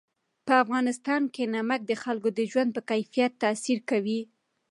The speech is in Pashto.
په افغانستان کې نمک د خلکو د ژوند په کیفیت تاثیر کوي.